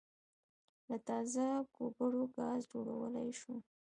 له تازه ګوبرو ګاز جوړولای شو